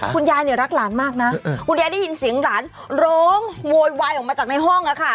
คุณยายเนี่ยรักหลานมากนะคุณยายได้ยินเสียงหลานร้องโวยวายออกมาจากในห้องอะค่ะ